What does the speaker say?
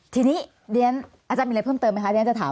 ทีนี้เรียนอาจารย์มีอะไรเพิ่มเติมไหมคะเรียนจะถาม